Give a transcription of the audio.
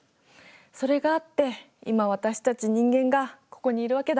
それがあって今私たち人間がここにいるわけだ。